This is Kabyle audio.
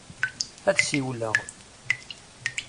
Ad d-siwleɣ.